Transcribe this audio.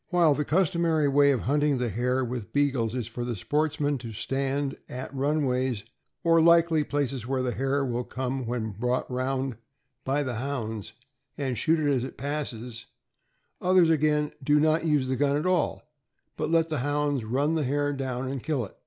While the customary way of hunting the hare with Bea gles is for the sportsman to stand at runways or likely places where the hare will come when brought around by 278 THE AMERICAN BOOK OF THE DOG. the Hounds, and shoot it as it passes, others, again, do not use the gun at all, but let fhe Hounds run the hare down and kill it.